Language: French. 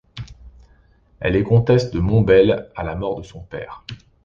Elle est comtesse de Montbel à la mort de son père.